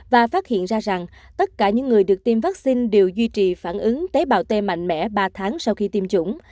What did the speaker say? và phát hiện ra rằng tất cả những người được tiêm vaccine đều duy trì phản ứng tế bào t mạnh mẽ ba tháng sau khi tiêm chủng